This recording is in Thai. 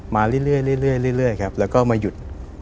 มาเรื่อยแล้วมาหยุด